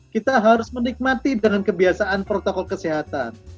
kita harus menikmati dengan kebiasaan protokol kesehatan